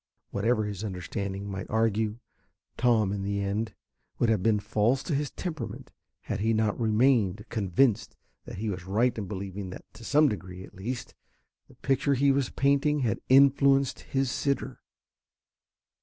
Whatever his understanding might argue, Tom, in the end, would have been false to his temperament had he not remained convinced that he was right in believing that to some degree, at least, the picture he was painting had influenced his sitter.